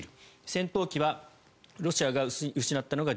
戦闘機はロシアが失ったのが１８